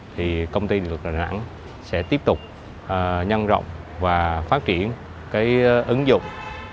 thì công ty lực lượng nẵng sẽ tiếp tục nhân rộng và phát triển cái ứng dụng